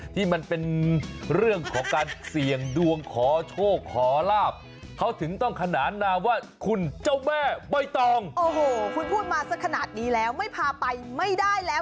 ต้องบอกว่าช่วงนี้เนี่ยนะ